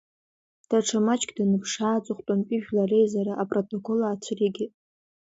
Даҽа маҷк даныԥшаа, аҵыхәтәантәи жәлар реизара апротокол аацәыригеит.